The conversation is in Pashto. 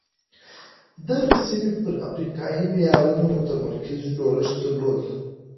دغې سیمې پر افریقایي معیارونو متمرکز جوړښت درلود.